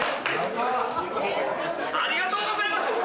ありがとうございます！